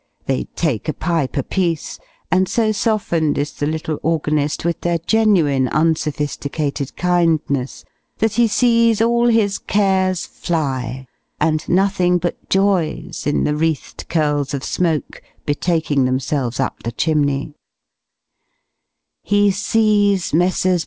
They take a pipe a piece, and so softened is the little organist with their genuine unsophisticated kindness, that he sees all his cares fly, and nothing but joys in the wreathed curls of smoke betaking themselves up the chimney: he sees Messrs.